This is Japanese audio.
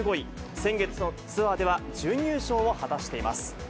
先月のツアーでは準優勝を果たしています。